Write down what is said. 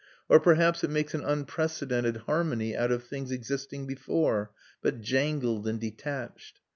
Or perhaps it makes an unprecedented harmony out of things existing before, but jangled and detached.